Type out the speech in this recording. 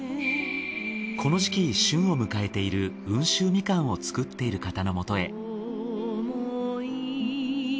この時期旬を迎えている温州みかんを作っている方のもとへ。